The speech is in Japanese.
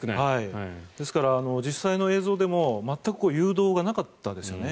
ですから、実際の映像でも全く誘導がなかったですよね。